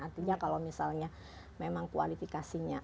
artinya kalau misalnya memang kualifikasinya